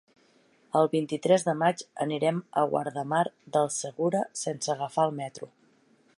El vint-i-tres de maig anirem a Guardamar del Segura sense agafar el metro.